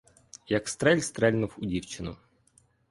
Як стрель стрельнув у дівчину.